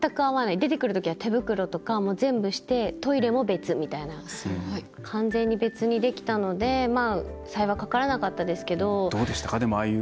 出てくるときは手袋とか全部して、トイレも別みたいな完全に別にできたので幸い、かからなかったですけど。